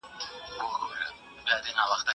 زه بايد منډه ووهم!